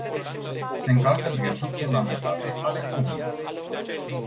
Se încalcă drepturi fundamentale ale omului.